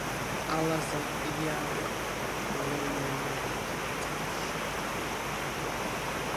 ალაზან-იალოილუთეფეს კულტურა შესწავლილია სამარხეული მასალით.